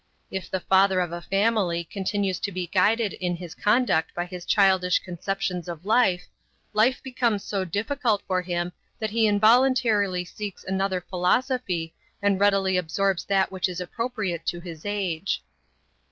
If the father of a family continues to be guided in his conduct by his childish conceptions of life, life becomes so difficult for him that he involuntarily seeks another philosophy and readily absorbs that which is appropriate to his age.